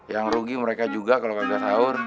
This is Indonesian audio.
yang rugi mereka juga kalau kagak sahur